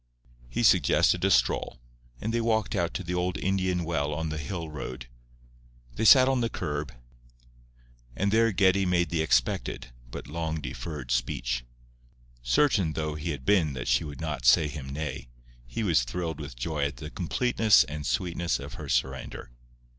He suggested a stroll, and they walked out to the old Indian well on the hill road. They sat on the curb, and there Geddie made the expected but long deferred speech. Certain though he had been that she would not say him nay, he was thrilled with joy at the completeness and sweetness of her surrender.